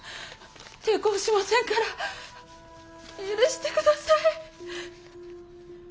抵抗しませんから許して下さい。